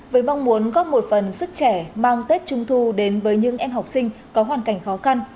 với mong muốn góp một phần sức trẻ mang tết trung thu đến với những em học sinh có hoàn cảnh khó khăn